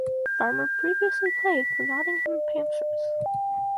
Farmer previously played for Nottingham Panthers.